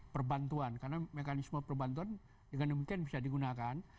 perbantuan karena mekanisme perbantuan dengan demikian bisa digunakan